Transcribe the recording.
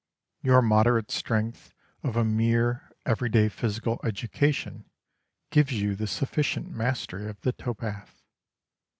Your moderate strength of a mere everyday physical education gives you the sufficient mastery of the towpath.